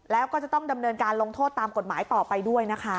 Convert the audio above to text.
แล้วก็จะต้องดำเนินการลงโทษตามกฎหมายต่อไปด้วยนะคะ